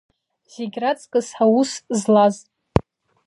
Зегь раҵкыс аус злаз…